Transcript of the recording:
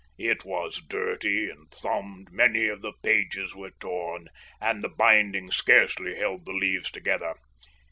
It was dirty and thumbed, many of the pages were torn, and the binding scarcely held the leaves together.